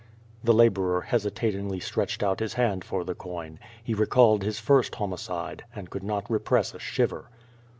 The laborer hesitatingly stretched out his hand for the coin. He recalled his first homicide, and could not repress a shiver.